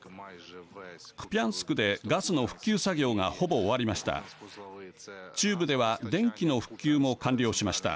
クピャンスクでガスの復旧作業がほぼ終わりました。